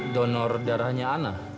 donor darahnya ana